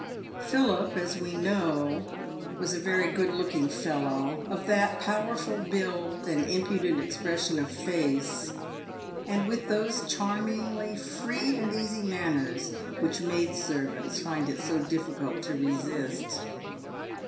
Philip, as we know, was a very good looking fellow, of that power ful build and impudent expression of face, and with those charm ingly free and easy manners which maid servants find it so difficult to resist.